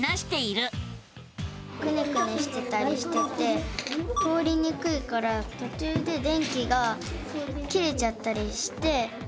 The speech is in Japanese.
くねくねしてたりしてて通りにくいからとちゅうで電気が切れちゃったりして。